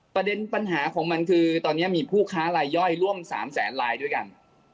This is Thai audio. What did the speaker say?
ประเด็นปัญหาของมันคือตอนนี้มีผู้ค้าลายย่อยร่วม๓แสนลายด้วยกัน